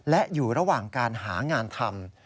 และอยู่ระหว่างการหางานทำ